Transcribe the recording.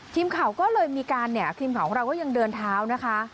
ทีมข่าวก็เลยมีการเนี่ยทีมข่าวของเราก็ยังเดินเท้านะคะ